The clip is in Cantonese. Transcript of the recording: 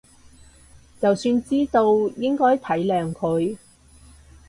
就算知道應該體諒佢